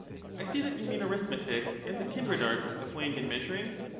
I see that you mean arithmetic, and the kindred arts of weighing and measuring.